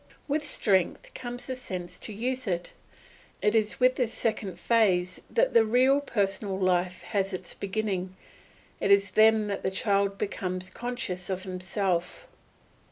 With strength comes the sense to use it. It is with this second phase that the real personal life has its beginning; it is then that the child becomes conscious of himself.